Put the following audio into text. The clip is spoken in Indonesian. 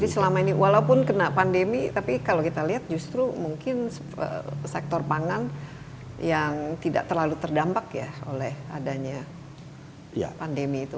jadi selama ini walaupun kena pandemi tapi kalau kita lihat justru mungkin sektor pangan yang tidak terlalu terdampak ya oleh adanya pandemi itu